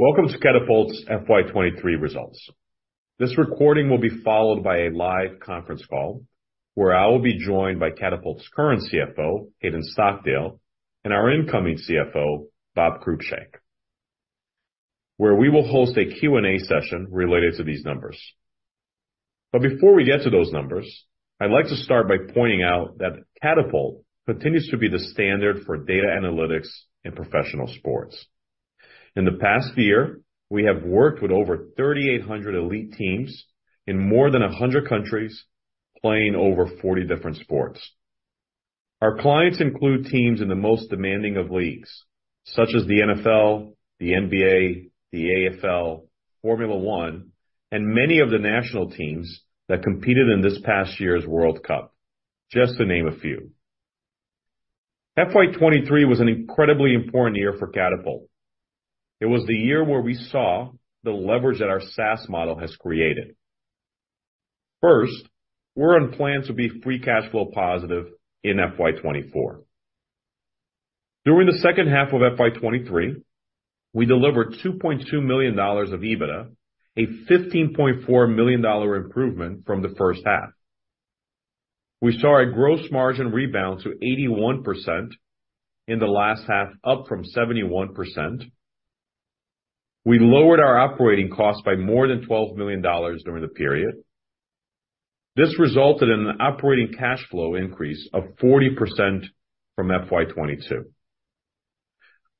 Welcome to Catapult's FY2023 results. This recording will be followed by a live conference call where I will be joined by Catapult's current CFO, Hayden Stockdale, and our incoming CFO, Bob Cruickshank, where we will host a Q&A session related to these numbers. Before we get to those numbers, I'd like to start by pointing out that Catapult continues to be the standard for data analytics in professional sports. In the past year, we have worked with over 3,800 elite teams in more than 100 countries, playing over 40 different sports. Our clients include teams in the most demanding of leagues, such as the NFL, the NBA, the AFL, Formula One, and many of the national teams that competed in this past year's World Cup, just to name a few. FY 2023 was an incredibly important year for Catapult. It was the year where we saw the leverage that our SaaS model has created. We're on plan to be free cash flow positive in FY 2024. During the second half of FY2023, we delivered $2.2 million of EBITDA, a $15.4 million improvement from the first half. We saw a gross margin rebound to 81% in the last half, up from 71%. We lowered our operating cost by more than $12 million during the period. This resulted in an operating cash flow increase of 40% from FY2022.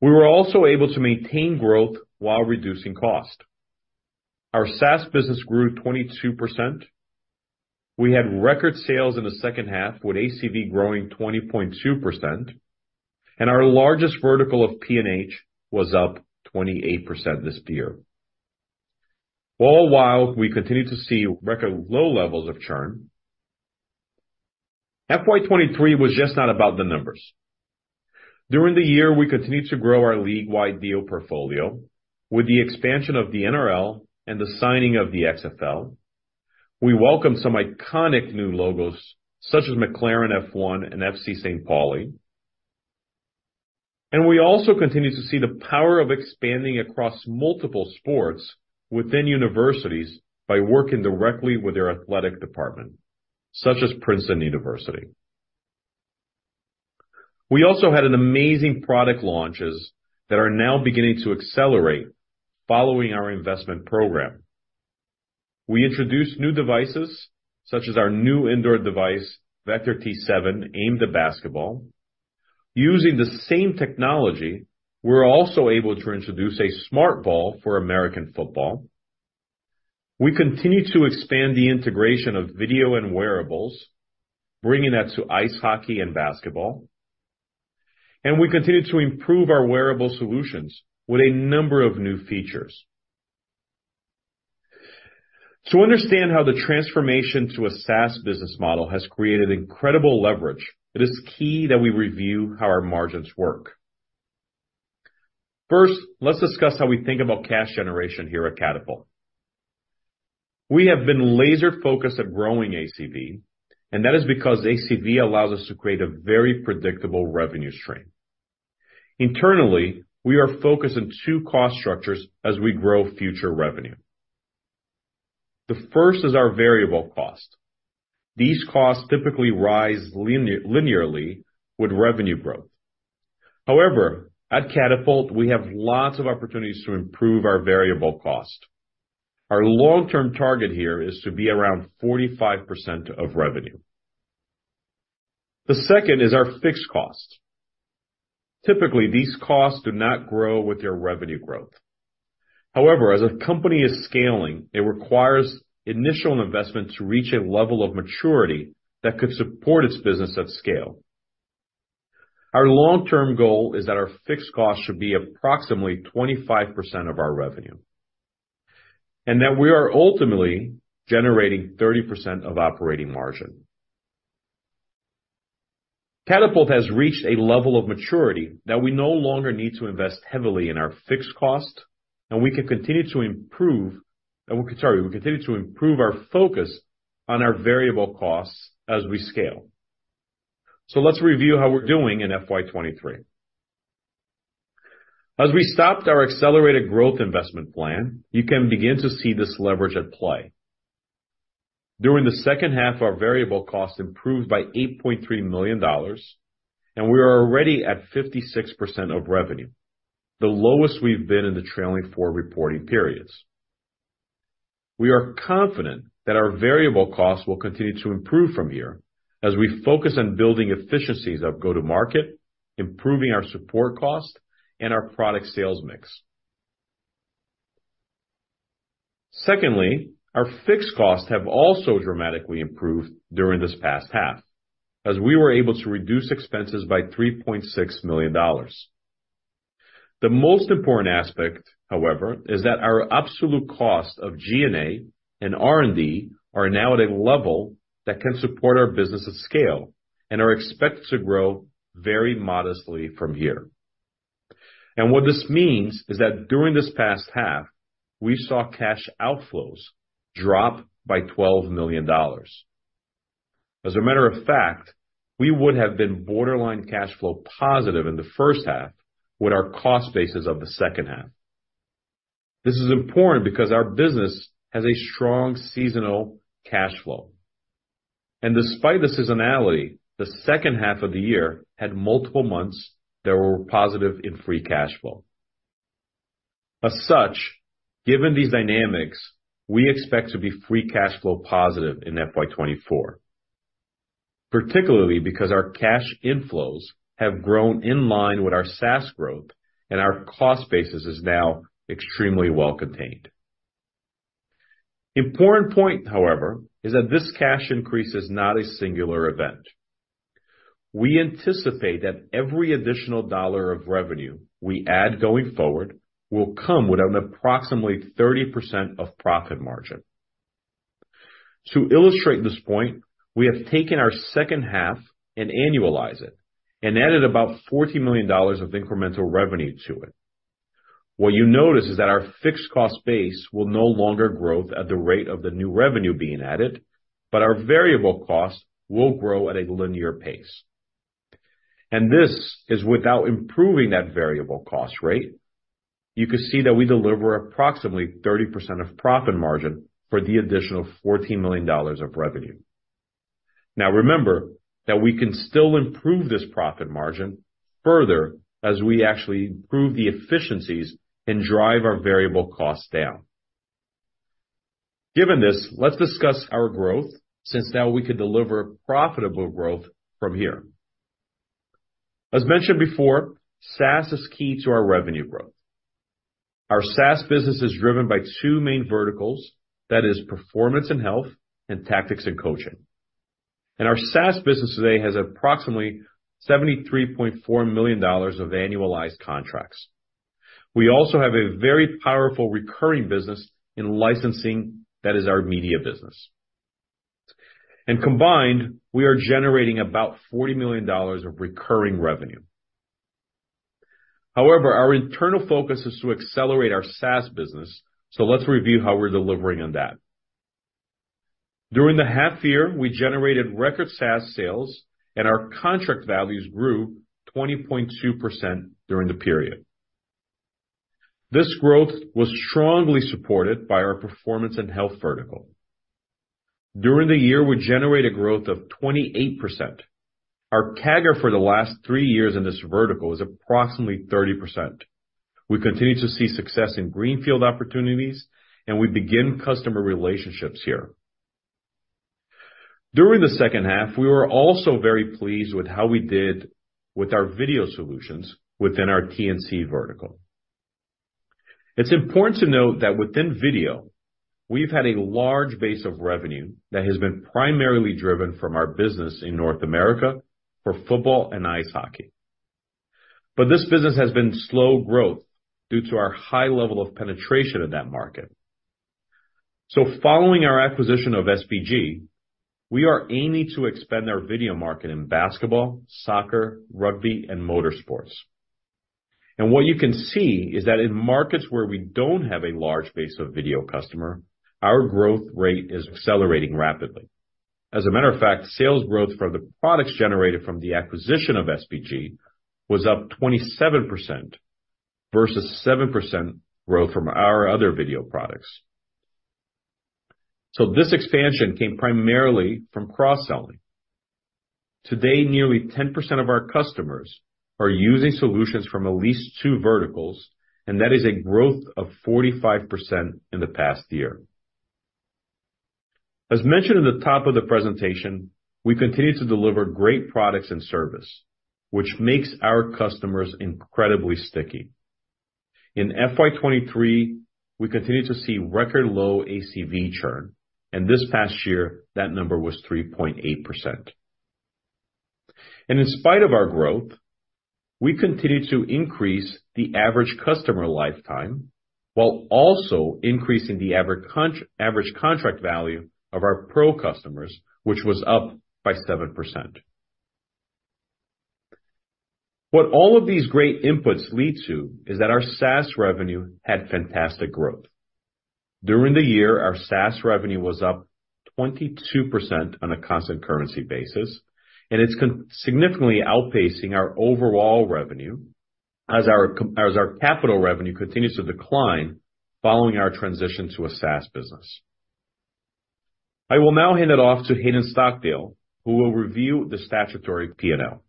We were also able to maintain growth while reducing cost. Our SaaS business grew 22%. We had record sales in the second half with ACV growing 20.2%, and our largest vertical of P&H was up 28% this year. All while we continued to see record low levels of churn. FY2023 was just not about the numbers. During the year, we continued to grow our league-wide deal portfolio with the expansion of the NRL and the signing of the XFL. We welcomed some iconic new logos such as McLaren F1 and FC St. Pauli. We also continued to see the power of expanding across multiple sports within universities by working directly with their athletic department, such as Princeton University. We also had an amazing product launches that are now beginning to accelerate following our investment program. We introduced new devices such as our new indoor device, Vector T7, aimed at basketball. Using the same technology, we're also able to introduce a smart football for American football. We continue to expand the integration of video and wearables, bringing that to ice hockey and basketball. We continued to improve our wearable solutions with a number of new features. To understand how the transformation to a SaaS business model has created incredible leverage, it is key that we review how our margins work. First, let's discuss how we think about cash generation here at Catapult. We have been laser-focused at growing ACV, and that is because ACV allows us to create a very predictable revenue stream. Internally, we are focused on two cost structures as we grow future revenue. The first is our variable cost. These costs typically rise line-linearly with revenue growth. However, at Catapult, we have lots of opportunities to improve our variable cost. Our long-term target here is to be around 45% of revenue. The second is our fixed cost. Typically, these costs do not grow with your revenue growth. As a company is scaling, it requires initial investment to reach a level of maturity that could support its business at scale. Our long-term goal is that our fixed cost should be approximately 25% of our revenue, and that we are ultimately generating 30% of operating margin. Catapult has reached a level of maturity that we no longer need to invest heavily in our fixed cost and we continue to improve our focus on our variable costs as we scale. Let's review how we're doing in FY 2023. As we stopped our accelerated growth investment plan, you can begin to see this leverage at play. During the second half, our variable cost improved by 8.3 million dollars, and we are already at 56% of revenue, the lowest we've been in the trailing four reporting periods. We are confident that our variable costs will continue to improve from here as we focus on building efficiencies of go-to-market, improving our support cost and our product sales mix. Secondly, our fixed costs have also dramatically improved during this past half as we were able to reduce expenses by 3.6 million dollars. The most important aspect, however, is that our absolute cost of G&A and R&D are now at a level that can support our business at scale and are expected to grow very modestly from here. What this means is that during this past half, we saw cash outflows drop by 12 million dollars. As a matter of fact, we would have been borderline cash flow positive in the first half with our cost bases of the second half. This is important because our business has a strong seasonal cash flow. Despite the seasonality, the second half of the year had multiple months that were positive in free cash flow. As such, given these dynamics, we expect to be free cash flow positive in FY2024, particularly because our cash inflows have grown in line with our SaaS growth and our cost basis is now extremely well contained. Important point, however, is that this cash increase is not a singular event. We anticipate that every additional dollar of revenue we add going forward will come with an approximately 30% of profit margin. To illustrate this point, we have taken our second half and annualized it and added about $14 million of incremental revenue to it. What you notice is that our fixed cost base will no longer growth at the rate of the new revenue being added, but our variable cost will grow at a linear pace. This is without improving that variable cost rate. You can see that we deliver approximately 30% of profit margin for the additional 14 million dollars of revenue. Now, remember that we can still improve this profit margin further as we actually improve the efficiencies and drive our variable costs down. Given this, let's discuss our growth since now we could deliver profitable growth from here. As mentioned before, SaaS is key to our revenue growth. Our SaaS business is driven by two main verticals, that is Performance & Health and Tactics & Coaching. Our SaaS business today has approximately 73.4 million dollars of annualized contracts. We also have a very powerful recurring business in licensing. That is our media business. Combined, we are generating about 40 million dollars of recurring revenue. However, our internal focus is to accelerate our SaaS business. Let's review how we're delivering on that. During the half year, we generated record SaaS sales and our contract values grew 20.2% during the period. This growth was strongly supported by our Performance & Health vertical. During the year, we generated growth of 28%. Our CAGR for the last 3 years in this vertical is approximately 30%. We continue to see success in greenfield opportunities, and we begin customer relationships here. During the second half, we were also very pleased with how we did with our video solutions within our T&C vertical. It's important to note that within video, we've had a large base of revenue that has been primarily driven from our business in North America for football and ice hockey. This business has been slow growth due to our high level of penetration in that market. Following our acquisition of SBG, we are aiming to expand our video market in basketball, soccer, rugby, and motorsports. What you can see is that in markets where we don't have a large base of video customer, our growth rate is accelerating rapidly. As a matter of fact, sales growth for the products generated from the acquisition of SBG was up 27% versus 7% growth from our other video products. This expansion came primarily from cross-selling. Today, nearly 10% of our customers are using solutions from at least two verticals, and that is a growth of 45% in the past year. As mentioned in the top of the presentation, we continue to deliver great products and service, which makes our customers incredibly sticky. In FY2023, we continued to see record low ACV churn. This past year, that number was 3.8%. In spite of our growth, we continued to increase the average customer lifetime while also increasing the average contract value of our pro customers, which was up by 7%. What all of these great inputs lead to is that our SaaS revenue had fantastic growth. During the year, our SaaS revenue was up 22% on a constant currency basis. It's significantly outpacing our overall revenue as our capital revenue continues to decline following our transition to a SaaS business. I will now hand it off to Hayden Stockdale, who will review the statutory P&L.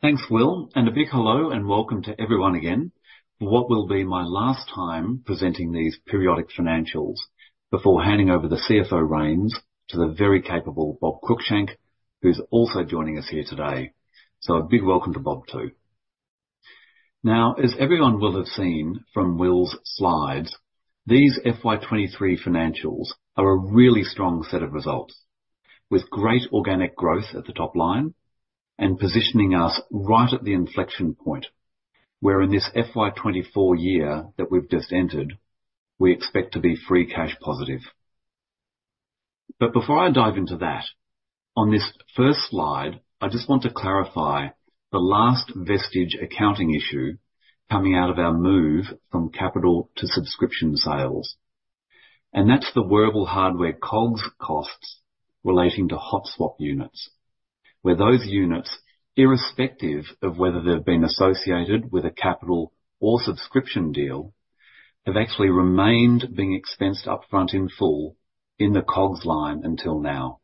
Thanks, Will. A big hello and welcome to everyone again for what will be my last time presenting these periodic financials before handing over the CFO reins to the very capable Bob Cruickshank, who's also joining us here today. A big welcome to Bob too. As everyone will have seen from Will's slides, these FY2023 financials are a really strong set of results with great organic growth at the top line and positioning us right at the inflection point, where in this FY2024 year that we've just entered, we expect to be free cash positive. Before I dive into that, on this first slide, I just want to clarify the last vestige accounting issue coming out of our move from capital to subscription sales. That's the wearable hardware COGS costs relating to hot swap units, where those units, irrespective of whether they've been associated with a capital or subscription deal, have actually remained being expensed up front in full in the COGS line until now.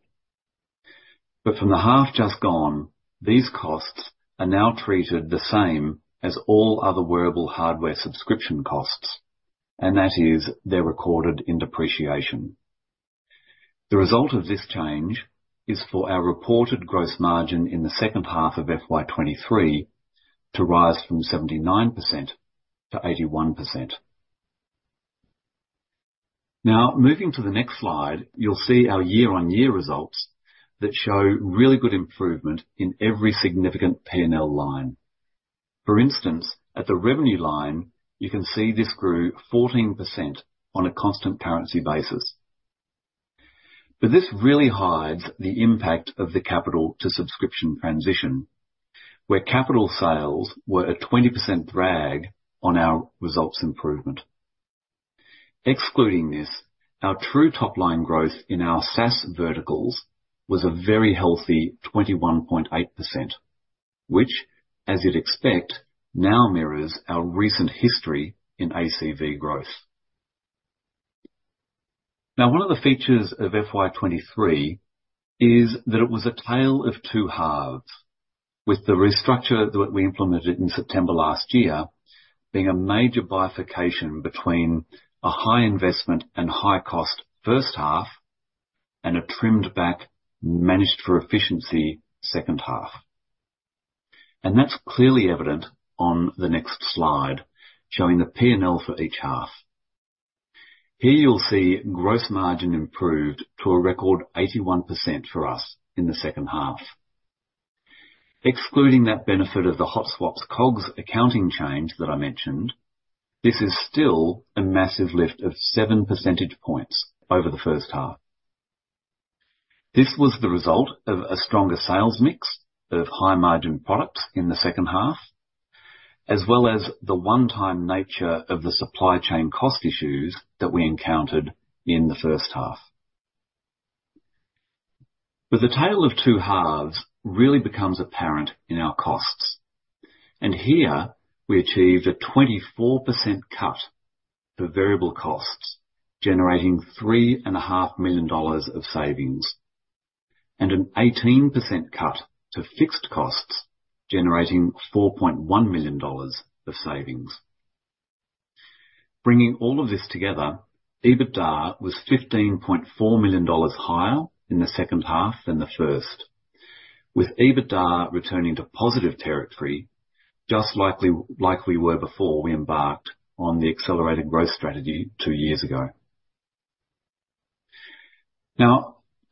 From the half just gone, these costs are now treated the same as all other wearable hardware subscription costs, and that is they're recorded in depreciation. The result of this change is for our reported gross margin in the second half of FY2023 to rise from 79%-81%. Now, moving to the next slide, you'll see our year-on-year results that show really good improvement in every significant P&L line. For instance, at the revenue line, you can see this grew 14% on a constant currency basis. This really hides the impact of the capital to subscription transition, where capital sales were a 20% drag on our results improvement. Excluding this, our true top line growth in our SaaS verticals was a very healthy 21.8%, which, as you'd expect, now mirrors our recent history in ACV growth. One of the features of FY2023 is that it was a tale of two halves, with the restructure that we implemented in September last year being a major bifurcation between a high investment and high cost first half and a trimmed back managed for efficiency second half. That's clearly evident on the next slide, showing the P&L for each half. Here you'll see gross margin improved to a record 81% for us in the second half. Excluding that benefit of the hot swap COGS accounting change that I mentioned, this is still a massive lift of seven percentage points over the first half. This was the result of a stronger sales mix of high margin products in the second half, as well as the one-time nature of the supply chain cost issues that we encountered in the first half. The tale of two halves really becomes apparent in our costs. Here we achieved a 24% cut to variable costs, generating three and a half million dollars of savings. An 18% cut to fixed costs generating 4.1 million dollars of savings. Bringing all of this together, EBITDA was $15.4 million higher in the second half than the first, with EBITDA returning to positive territory just like we were before we embarked on the accelerated growth strategy two years ago.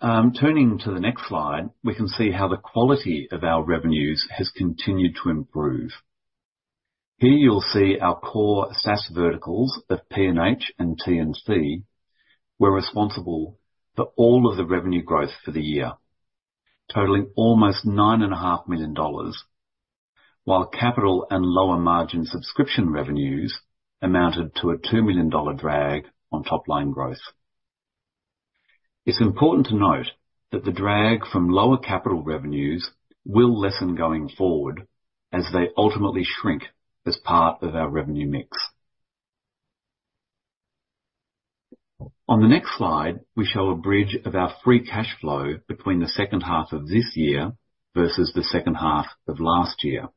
Turning to the next slide, we can see how the quality of our revenues has continued to improve. Here you'll see our core SaaS verticals of P&H and T&C were responsible for all of the revenue growth for the year, totaling almost $9.5 million, while capital and lower margin subscription revenues amounted to a $2 million drag on top line growth. It's important to note that the drag from lower capital revenues will lessen going forward as they ultimately shrink as part of our revenue mix. On the next slide, we show a bridge of our free cash flow between the second half of this year versus the second half of last year,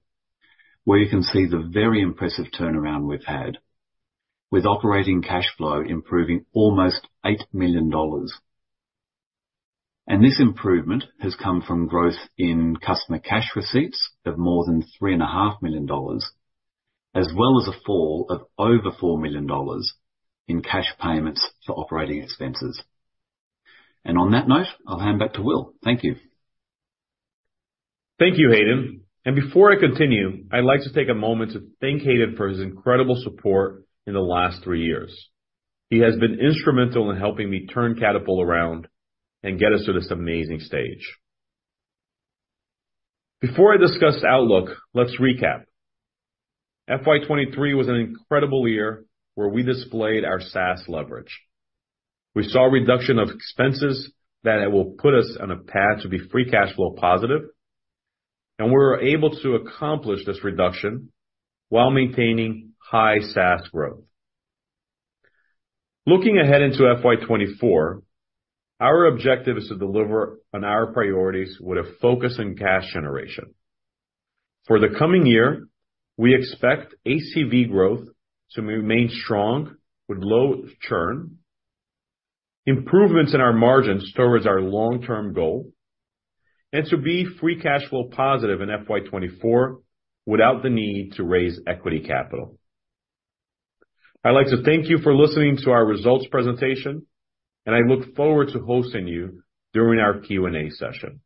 where you can see the very impressive turnaround we've had. With operating cash flow improving almost 8 million dollars. This improvement has come from growth in customer cash receipts of more than three and a half million AUD, as well as a fall of over 4 million dollars in cash payments for operating expenses. On that note, I'll hand back to Will. Thank you. Thank you, Hayden. Before I continue, I'd like to take a moment to thank Hayden for his incredible support in the last three years. He has been instrumental in helping me turn Catapult around and get us to this amazing stage. Before I discuss outlook, let's recap. FY2023 was an incredible year where we displayed our SaaS leverage. We saw a reduction of expenses that it will put us on a path to be free cash flow positive. We were able to accomplish this reduction while maintaining high SaaS growth. Looking ahead into FY2024, our objective is to deliver on our priorities with a focus on cash generation. For the coming year, we expect ACV growth to remain strong with low churn, improvements in our margins towards our long-term goal, and to be free cash flow positive in FY2024 without the need to raise equity capital. I'd like to thank you for listening to our results presentation, and I look forward to hosting you during our Q&A session.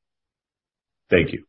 Thank you.